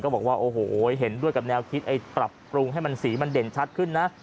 ก็บอกว่าเห็นด้วยกับแนวคิดปรับปรุงให้สีมันเด่นชัดขึ้นนะ